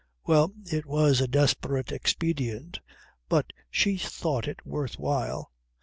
Well, it was a desperate expedient but she thought it worth while.